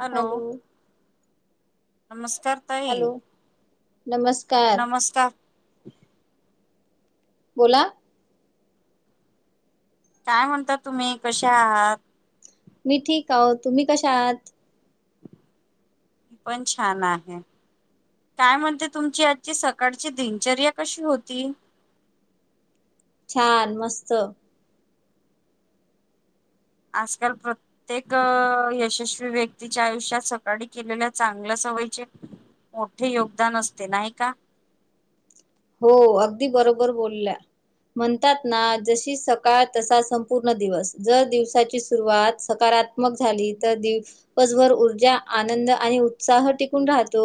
Hello पालो. नमस्कार ताई हॅलो नमस्कार नमस्कार. बोला. काय म्हणतात तुम्ही कशा आहात. मी ठीक आहो तुम्ही कशा आहात. मी पण छान आहे. काय म्हणते तुमची आजची सकाळची दिनचर्या कशी होती. छान मस्त. आजकाल प्रत्य प्रत्येक यशस्वी व्यक्तीच्या आयुष्यात सकाळी केलेल्या चांगल्या सवयीचे मोठे योगदान असते नाही का? हो अगदी बरोबर बोलल्या. म्हणतात ना जशी सकाळ तसा संपूर्ण दिवस जर दिवसाची सुरुवात सात. झाली तर दिवसभर ऊर्जा आनंद आणि उत्साह टिकून राहतो.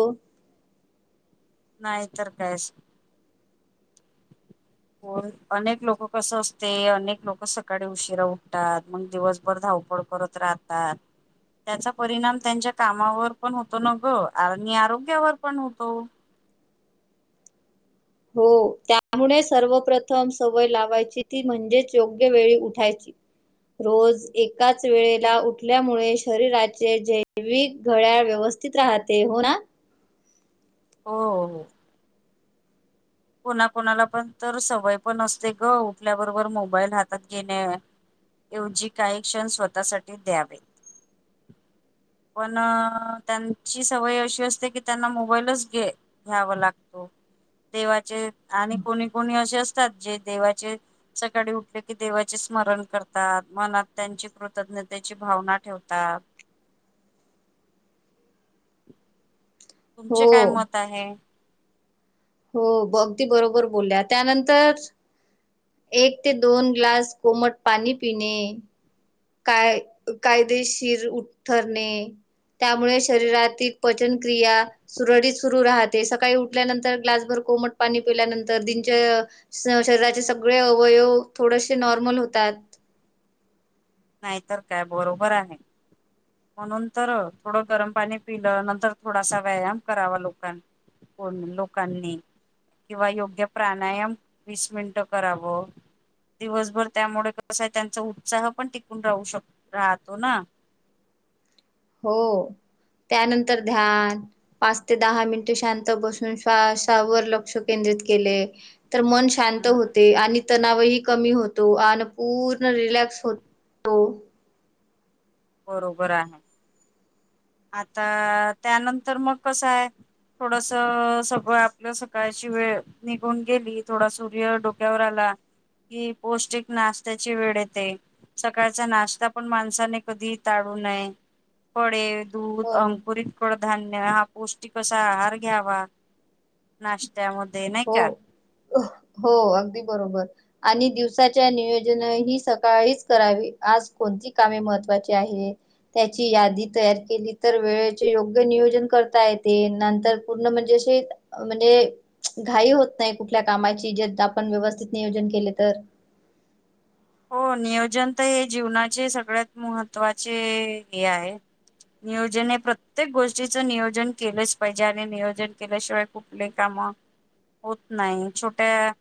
नाही तरर कायश [unintelligible] हो अनेक लोक कस असते अनेक लोक सकाळी उशिरा उठतात मग दिवसभर धावपड. करत राहतात. त्याचा परिणाम त्यांच्या कामावर पण होतो न ग आणि आणि आरोग्यावर पण होतो. हो त्यामुळे सर्वप्रथम सवय लावायची ती म्हणजेच योग्य वेळी उठायची. रोज एकाच वेळेला उठल्यामुळे शरीराचे जैविक गळ्याळ व्यवस्थ. थित राहते हो ना. हो. कोणाकणाला पण तर सवय पण असते ग उठल्याबरोबर मोबाईल हातात घेणे. एवजी काही क्षण स्वतःसाठी द्यावे. [unintelligible] पण त्यांची सवय अशी असते की त्यांना मोबाईलच घे. घ्यावा लागतो. देवाचे आणि कोणी कोणी असे असतात जे देवाचे. सकाळी उठले की देवाचे स्मरण करतात मनात त्यांची कृतज्ञतेची भावना ठेवतात. हो तुमचे काय मत आहे. हो अगदी बरोबर बोलल्या त्यानंतर. एक ते दोन ग्लास कोमट पाणी पिणे काय कायदेशीर उठ ठरणे त्यामुळे शरीरातील पचनक्रिया. सुरळीत सुरू राहते सकाळी उठल्यानंतर ग्लासभर कोमट पाणी पिल्यानंतर दिनच. शरीराचे सगळे अवयव थोडेसे नॉर्मल होतात. नाहीतर काय बरोबर आहे. म्हणून तर थोडं गरम पाणी पिलं नंतर थोडासा व्यायाम करावा लोकांनी.. कोण लोकांनी. किंवा योग्य प्राणायाम वीस मिनिटं करावं. दिवसभर त्यामुळे कसं आहे त्यांचा उत्साह पण टिकून राहू शक राहतो ना. हो त्यानंतर ध्यान. पाच ते दहा मिनिटे शांत बसून श्वासावर लक्ष केंद्रित केले. तर मन शांत हम्म होते आणि तणावही कमी होतो आणि पूर्ण रिलॅक्स होतो. बरोबर आहे आता त्यानंतर मग कस आहे. थोडस सगळं आपलं सकाळची वेळ निघून गेली थोडा सूर्य डोक्यावर आला. कि पौष्टिक नाश्त्याची वेळ येते सकाळचा नाश्ता पण माणसाने. कधी टाडू नये फडे दूध हो अंकुरीत. कडधान्य हा पौष्टिक असा आहार घ्यावा नाश्त्यामध्ये नाही हो का. हो अगदी बरोबर. आणि दिवसाच्या नियोजन ही सकाळीच करावी आज कोणती कामे महत्त्वाची आहे. त्याची यादी तयार केली तर वेळेचे योग्य नियोजन करता येते नंतर. पूर्ण म्हणजे अशी म्हणजे. घाई होत नाही कुठल्या कामाची जे आपण व्यवस्थित नियोजन केले तर. हो नियोजन तर हे जीवनाचे सगळ्यात महत्त्वाचे हे आहे. नियोजन हे प्रत्येक गोष्टीचं नियोजन केलंच पाहिजे आणि नियोजन केल्याशिवाय. कुटले काम. होत नाही छोट्या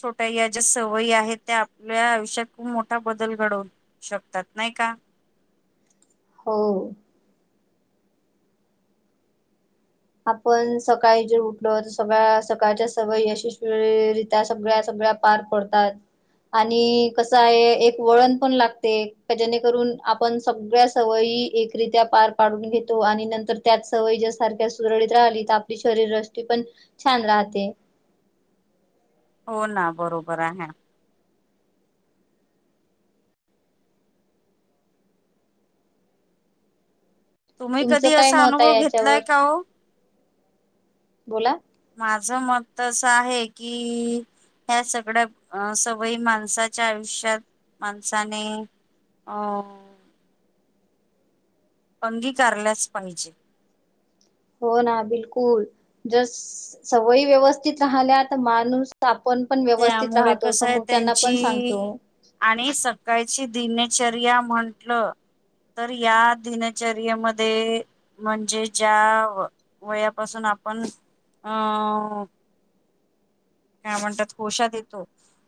छोट्या या ज्या सवयी आहेत त्या आपल्या आयुष्यात. खूप मोठा बदल घडवू शकतात नाही का. हो. आपण सकाळी जर उठलो तर सगळ्या सकाळच्या सवय यशस्वीरत्या सगळ्या सगळ्या. पार पडतात. आणि कसं आहे एक वळण पण लागते जेणेकरून आपण सगळ्या. सवयी एकरीित्या पार पाडून घेतो आणि नंतर त्याच सवयीच्या्या सारख्या. सुरळीत राहिली तर आपली शरीरृष्टी पण छान राहते. हो ना बरोबर आहे. तुम्ही तुमचं कधी काय असा मत आहे अनुभव याच्यावर घेतलाय का ओ बोला. माझं मत त असं आहे की. ह्या सगळ्या अ सवयी माणसाच्या आयुष्यात माणसाने. [inaudible] अंगीकारल्याच पाहिजे. हो ना बिलकुल जर सवयी व्यवस्थित राहल्या तर माणूस. आपण पण व्यवस्थित त्यामुळे राहतो कसं आहे समोच्यआना पण सांगतो. त्यांची आणि सकाळची दिनचर्या म्हटल. तर या दिनचर्येमध्ये. म्हणजे ज्या वयापासून आपण अं का म्हणतात कोशात येतो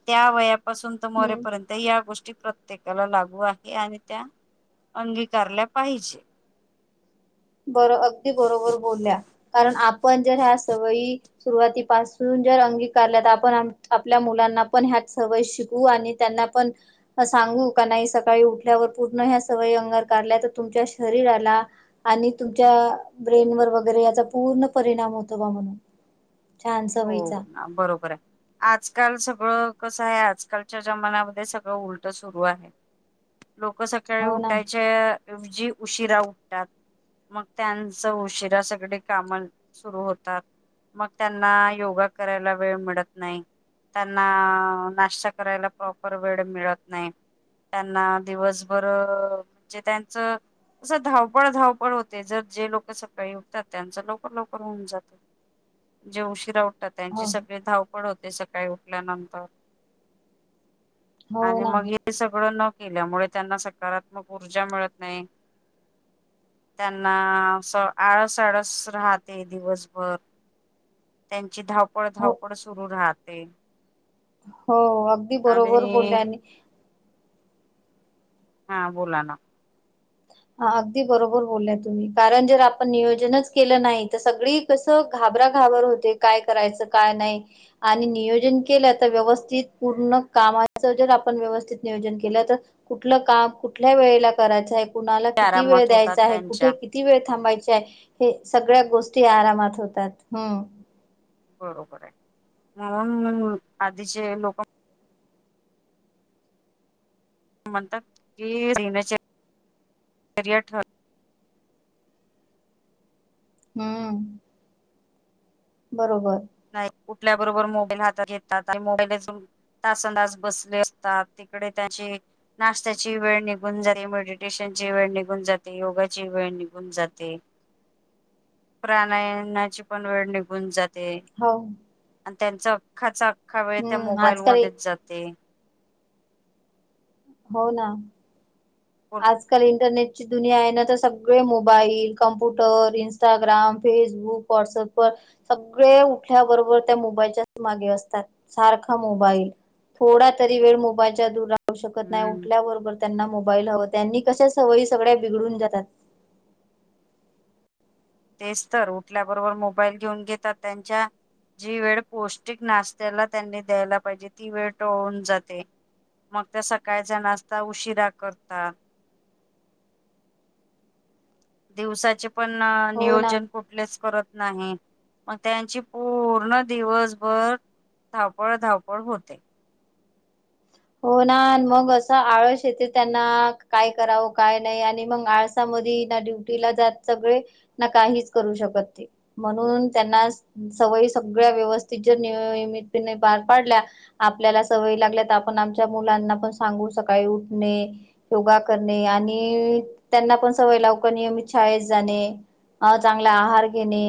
त्या वयापासून तर हम्म. मरेपर्यंत. या गोष्टी प्रत्येकाला लागू आहे, आणि त्या अंगीकारल्या पाहिजे. बरो अगदी बरोबर बोलल्या, कारण आपण जर ह्या सवयी सुरुवातीपासून जर अंगीकारल्या तर आपण आपल्या मुलांना पण ह्यात सवयी शिकवू आणि त्यांना पण. सांगू का नाही, सकाळी उठल्यावर पूर्ण ह्या सवयी अंगरकारल्याय तर तुमच्या शरीराला आणि तुमच्या ब्रेन वर वगैरे, याचा पूर्ण परिणाम होतो बा म्हणून, छान सवयीचा हो, ना बरोबर आहे. आजकाल सगळं कसं आहे, आजकालच्या जमान्यामध्ये सगळं उलट सुरू आहे. लोक सकाळी हो ना उठायच्याऐवजी, उशिरा उठतात. मग, त्यांच उशरा सगळी काम सुरू होतात मग त्यांना, योगा करायला वेळ मिळत नाही. त्यांना, नाश्ता करायला प्रॉपर वेळ मिळत नाही. त्यांना दिवसभर म्हणजे त्यांचं असं, धावपळ, धावपळ, होते जर जे लोक सकाळी उठतात, त्यांचं लवकर लवकर होऊन जातं. जे उशीरा उठतात, हो त्यांची सगळे धावपड होते. ते सकाळी उठल्यानंतर, हो आणि ना मग हे सगळं न केल्यामुळे, त्यांना सकारात्मक ऊर्जा मिळत नाही. त्यांना अस, आळस, आळस, राहते दिवसभर त्यांची धावपळ, हो धारवपळ, सुरू राहते. हो, अगदी बरोबर आणि बोलल्या हा बोला ना. हा अगदी बरोबर बोलला तुम्ही, कारण जर आपण नियोजनच केलं नाही तर सगळी कसं, घाबरा, घाबर, होते काय करायचं काय नाही. आणि नियोजन केलं तर, व्यवस्थित पूर्ण कामाच जर आपण व्यवस्थित नियोजन केलं तर कुठलं काम कुठल्या वेळेला करायचं आहे, कुणाला किती वेळ आरामात होतात द्यायचा आहे कुठे त्यांच्या किती वेळ थांबायची आहे, हे सगळ्या गोष्टी आरामात होतात. हम्म बरोबर आहे, म्हणून आधीचे लोक म्हणतात क सीमचे एरिया ठर [unintelligible] हम्म. बरोबर. नाही उठल्या बरोबर मोबाईल हातात घेतात, आणि मोबाईल तासं तास बसले असतात, तिकडे त्याचे- नाशत्याची वेळ निघून जाते, मेडिटेशनची वेळ निघून जाते, योगाची वेळ निघून प्राणायनाची पण वेळ निघून जाते. हो. आणि त्यांचा, अख्खाचा, अख्खा, वेळ त्या हम्म मोबाईल आजकाल ए- मध्येच जाते. हो ना, आजकाल इंटरनेट ची दुनिया आहे ना तर, सगळे mobile, computer, Instagram, Facebook, WhatsApp, व सगळे उठल्याबरोबर त्या मोबाईलच्याच मागे असतात, सारखा मोबाईल थोडा तरी वेळ, मोबाईलच्या दूर राहू शतो नाही हम्म उठल्याबरोबर त्यांना मोबाईल हवं, त्यांनी कशा सवयी सगळ्या बिघडून जातात. तेच तर, उठल्याबरोबर मोबाईल घेऊन घेतात त्यांच्या जी वेळ पौष्टिक नाशत्याला त्यांनी द्यायला पाहिजे, ती वेळ टळून जाते. मग त्या सकाळचा नाश्ता उशिरा करतात. दिवसाचे पण हो ना. नियोजन कच करत नाही मग त्यांची पूर्ण दिवसभर [unintelligible] धावपळ, धावपळ, होते. हो ना, मग असं आळस येते त्यांना काय करावं काय नाही आणि मग आळस ड्युटीला जात सगळे, ना काहीच करू शकत ते. म्हणून त्यांना सवयी सगळ्या व्यवस्थित जर नियमित पणे पार पाडल्या आपल्याला सवयी लागल्यात पण आमच्या मुलांना पण सांगून सकाळी उठणे योगा करणे आणि त्यांना पण सवय लावणे की, नियमित शाळेत जाणे. अ चांगला आहार घेणे,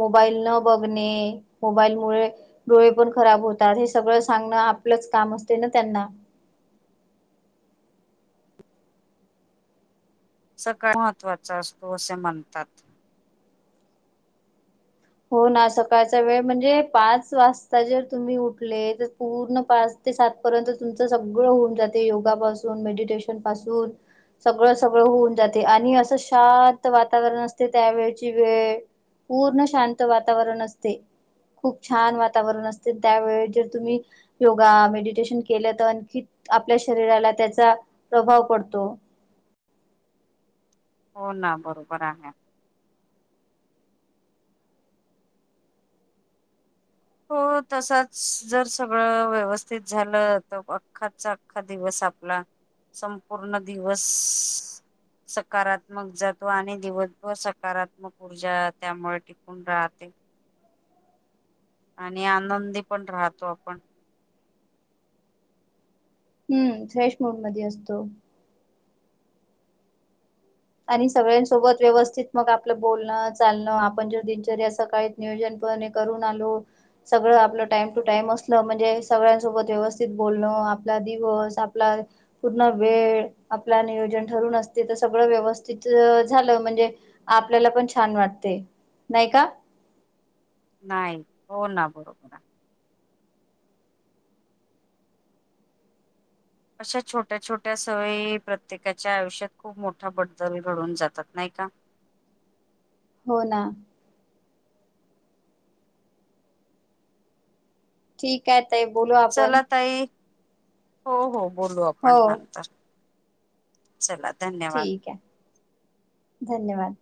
मोबाईल न बघणे, मोबाईलमुळे डोळे पण खराब होतात, हे सगळं सांगणं आपलंच काम असते ना त्यांना. सकाळ महत्त्वाचा असतो असे म्हणतात हो ना सकाळचा वेळ म्हणजे पाच वाजता जर तुम्ही उठले तर पूर्ण पाच ते सात पर्यंत तुमच सगळं होऊन जाते योगा पाासून मेडिटेशन पासून सगळं सगळं होऊन जाते आणि असं शांत वातावरण असते त्यावेळची वेळ पूर्ण शांत वातावरण असते खूप छान वातावरण असते त्यावेळी जर तुम्ही योगा मेडिटेशन केलं तर आणखी आपल्या शरीराला त्याचा प्रभाव पडतो हो ना बरोबर आहे हो तसाच जर सगळं व्यवस्थित झालं तर अख्खाचा अख्खा दिवस आपला संपूर्ण दिवस सकारात्मक जातो आणि दिवसभर सकारात्मक ऊर्जा त्यामुळे पण राहते आणि आनंदी पण राहतो आपण हम्म फ्रेश मूड मध्ये असतो आणि सगळ्यांसोबत व्यवस्थित मग आपलं बोलणं चालणं आपण जर दिनचर्या सकाळी नियोजनपणे करून आलो सगळं आपलं टाइम टू टाइम असलं म्हणजे सगळ्यांसोबत व्यवस्थित बोलणं आपला दिवस आपला पूर्ण वेळ आपलं नियोजन ठरून असते तर सगळं व्यवस्थित तिथं झालं म्हणजे आपल्याला पण छान वाटते नाही का नाही हो ना बरोबर अशा छोट्या छोट्या सवयी प्रत्येकाच्या आयुष्यात खूप मोठा बदल घडून जातात नाही का हो ना ठीक आहे ताई बोलू आपण चला ताई हो हो बोलू आपण हो नंतर चला धन्यवाद ठीक आहे धन्यवाद